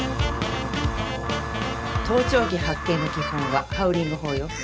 盗聴器発見の基本はハウリング法よ。